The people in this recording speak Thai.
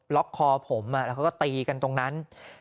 ล็อกคอผมแล้วก็ตีกันตรงนั้น